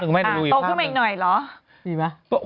โตขึ้นไปอีกหน่อยเหรอ